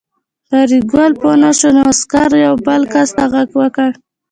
فریدګل پوه نه شو نو عسکر یو بل کس ته غږ وکړ